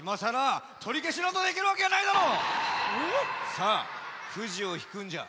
さあくじをひくんじゃ。